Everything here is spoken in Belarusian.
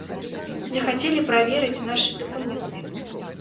Захацелі праверыць нашы дакументы.